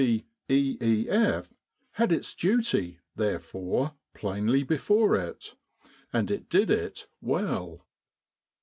E.F." had its duty, therefore, plainly before it; and it did it well.